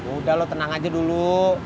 udah lo tenang aja dulu